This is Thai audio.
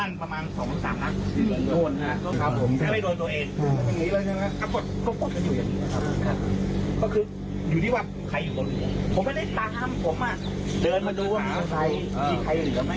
นี่กับเด็กของนานสพาชนะแล้วนะคะ